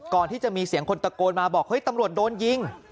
ก่อนที่จะมีเสียงคนตะโกนมาบอกเฮ้ยตำรวจโดนยิง